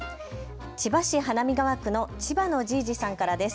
千葉市花見川区の千葉のじいじさんからです。